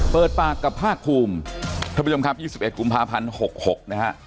เปิดปากกับภาคคุมทค๒๑กุมภาพันธ์๑๖๖๖นะฮะ